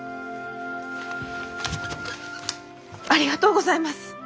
ありがとうございます。